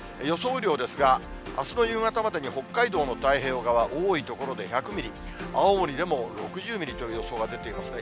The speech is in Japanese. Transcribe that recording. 雨量ですが、あすの夕方までに、北海道の太平洋側、多い所で１００ミリ、青森でも６０ミリという予想が出ていますね。